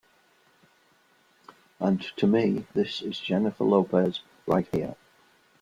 And to me, this is Jennifer Lopez right here.